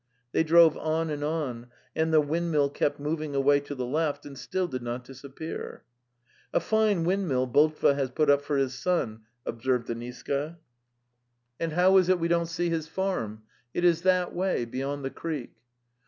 They drove on and on, and the windmill kept moving away to the left, and still did not disappear. '" A fine windmill Boltva has put up for his son," observed Deniska. 172 The Tales of Chekhov '© And how is it we don't see his farm? " "Tt is that way, beyond the creek."